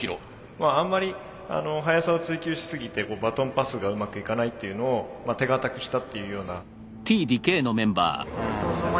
まああんまり速さを追求しすぎてバトンパスがうまくいかないっていうのを手堅くしたっていうような。